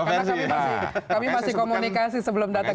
kami masih komunikasi sebelum datang ke sini